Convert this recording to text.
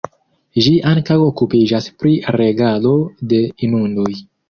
Ĝi ankaŭ okupiĝas pri regado de inundoj.